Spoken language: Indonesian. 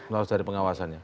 lolos dari pengawasannya